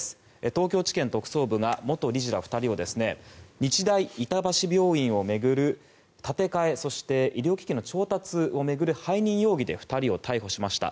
東京地検特捜部が元理事ら２人を日大板橋病院を巡る建て替えそして医療機器の調達を巡る背任容疑で２人を逮捕しました。